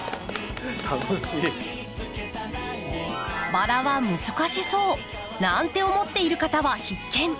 バラは難しそうなんて思っている方は必見。